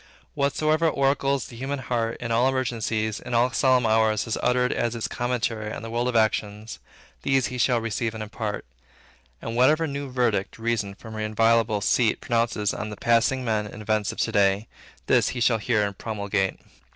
Whatsoever oracles the human heart, in all emergencies, in all solemn hours, has uttered as its commentary on the world of actions, these he shall receive and impart. And whatsoever new verdict Reason from her inviolable seat pronounces on the passing men and events of to day, this he shall hear and promulgate.